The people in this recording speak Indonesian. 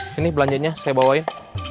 sini belanjanya saya bawain